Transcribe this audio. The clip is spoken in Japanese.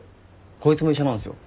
こいつも医者なんすよ。